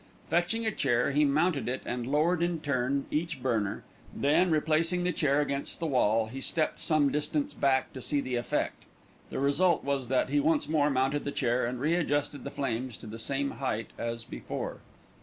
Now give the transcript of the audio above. Fetching a chair he mounted it and lowered in turn each burner, then, replacing the chair against the wall, he stepped some distance back to see the effect. The result was that he once more mounted the chair and readjusted the flames to the same height as before.